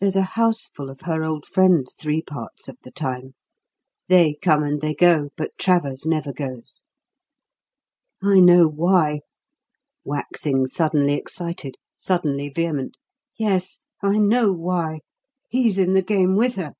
There's a houseful of her old friends three parts of the time. They come and they go, but Travers never goes. I know why" waxing suddenly excited, suddenly vehement "yes! I know why. He's in the game with her!"